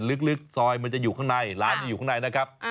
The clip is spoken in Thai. ลึกซอยมันจะอยู่ข้างในร้านนี้อยู่ข้างในนะครับ